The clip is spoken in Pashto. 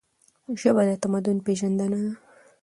ژبه د تمدن پیژندنه ده.